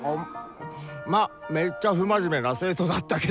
まあめっちゃ不真面目な生徒だったけど。